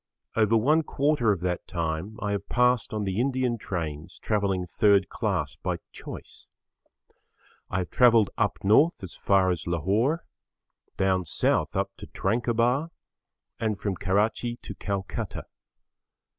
Over one quarter of that time I have passed on the Indian trains travelling third class by choice. I have travelled up north as far as Lahore, down south up to Tranquebar, and from Karachi to Calcutta.